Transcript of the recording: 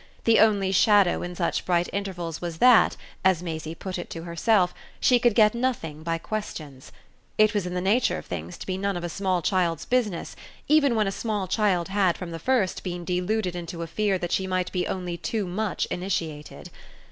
The only shadow in such bright intervals was that, as Maisie put it to herself, she could get nothing by questions. It was in the nature of things to be none of a small child's business, even when a small child had from the first been deluded into a fear that she might be only too much initiated.